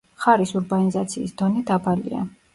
მხარის ურბანიზაციის დონე დაბალია.